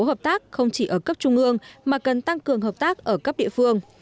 hợp tác không chỉ ở cấp trung ương mà cần tăng cường hợp tác ở cấp địa phương